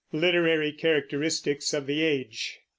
LITERARY CHARACTERISTICS OF THE AGE.